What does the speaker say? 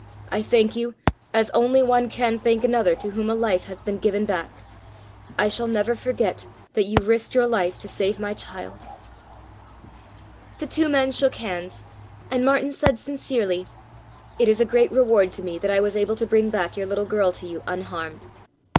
"I thank you, as only one can thank another, to whom a life has been given back. I shall never forget that you risked your life to save my child." The two men shook hands, and Martin said sincerely: "It is a great reward to me that I was able to bring back your little girl to you unharmed."